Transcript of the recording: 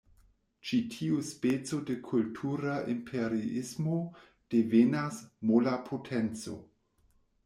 Ĉi tiu speco de kultura imperiismo devenas "mola potenco".